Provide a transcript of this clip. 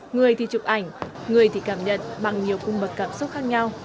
người thì chụp ảnh người thì cảm nhận bằng nhiều cung bậc cảm xúc khác nhau